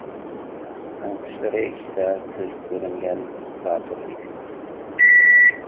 تەڭتۇشلىرى ئىچىدە كۆزگە كۆرۈنگەن باتۇر ئىدى.